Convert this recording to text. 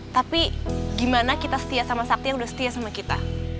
tapi gimana kita setia sama sakti yang udah setia sama kita